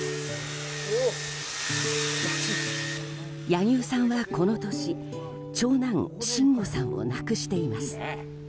柳生さんは、この年長男・真吾さんを亡くしています。